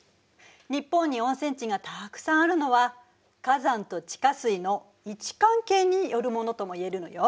日本に温泉地がたくさんあるのは火山と地下水の位置関係によるものともいえるのよ。